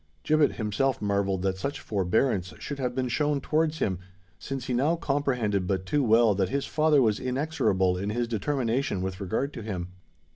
Gibbet himself marvelled that such forbearance should have been shown towards him, since he now comprehended but too well that his father was inexorable in his determination with regard to him.